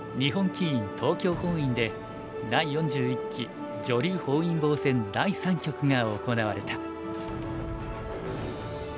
東京本院で第４１期女流本因坊戦第三局が行われた。